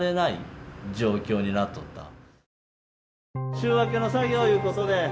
週明けの作業いうことで。